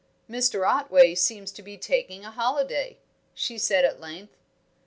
"Mr. Otway seems to be taking a holiday," she said at length.